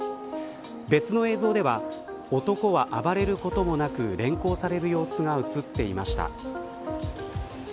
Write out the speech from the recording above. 別の映像では男は暴れることもなく連行される様子が映っていました。